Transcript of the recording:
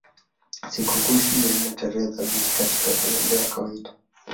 Sikukuu hii haina tarehe thabiti katika kalenda ya kawaida.